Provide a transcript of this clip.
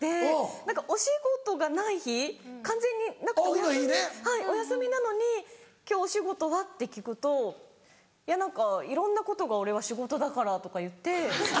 何かお仕事がない日完全にお休みなのに「今日お仕事は？」って聞くと「いやいろんなことが俺は仕事だから」とか言って。